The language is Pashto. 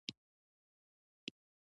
ستوني غرونه د افغانستان د صادراتو برخه ده.